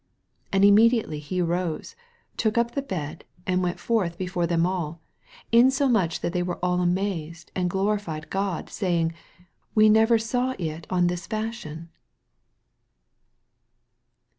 12 And immediately he arose, took up the bed, and went forth before them all ; insomuch that they werr all amazed, and glorified God, say ing, We never saw it on this fash ion.